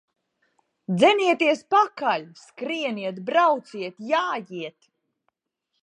Dzenieties pakaļ! Skrieniet, brauciet, jājiet!